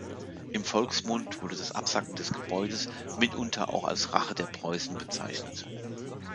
Im Volksmund wurde das Absacken des Gebäudes mitunter auch als „Rache der Preußen“ bezeichnet.